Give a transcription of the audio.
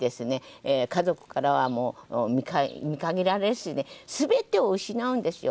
家族からは見限られるしね全てを失うんですよ